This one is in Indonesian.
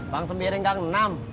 bang sembiring gak ngenam